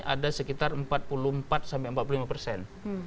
ada sekitar empat puluh empat sampai empat puluh lima persen